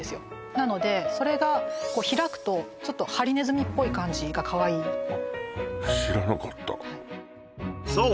なのでそれが開くとハリネズミっぽい感じがカワイイ知らなかったそう